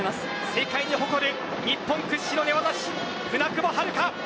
世界に誇る日本屈指の寝技師舟久保遥香。